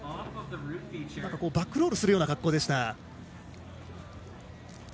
バックロールするような滑降でした。